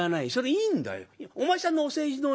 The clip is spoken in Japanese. いいんだ。